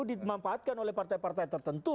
dimanfaatkan oleh partai partai tertentu